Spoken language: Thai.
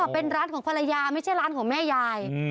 เป็นร้านของภรรยาไม่ใช่ร้านของแม่ยาย